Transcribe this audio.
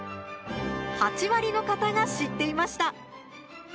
８割の方が知っていました。